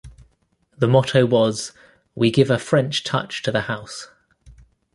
The motto was: "We Give a French Touch to House".